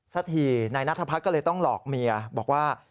สักทีนายนัทพัฒน์ก็เลยต้องหลอกเมียบอกว่า